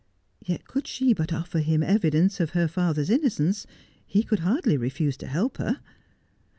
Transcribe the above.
Yet could she but offer him evidence of her father's innocence he could hardly refuse to help her.